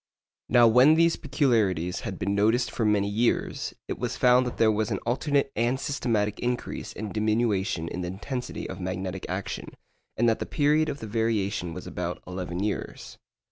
Now when these peculiarities had been noticed for many years, it was found that there was an alternate and systematic increase and diminution in the intensity of magnetic action, and that the period of the variation was about eleven years.